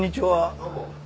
どうも。